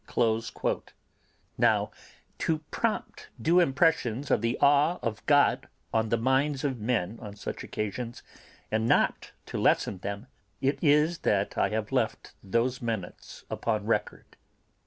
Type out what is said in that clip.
Now to prompt due impressions of the awe of God on the minds of men on such occasions, and not to lessen them, it is that I have left those minutes upon record.